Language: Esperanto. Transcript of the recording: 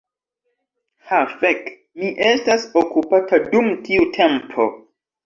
Ha fek' mi estas okupata dum tiu tempo